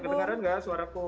bisa kedengeran gak suaraku